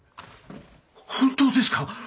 本当ですか？